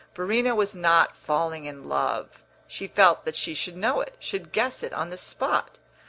Verena was not falling in love; she felt that she should know it, should guess it on the spot.